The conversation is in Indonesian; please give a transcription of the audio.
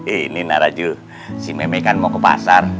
ini nak raju si mei mei kan mau ke pasar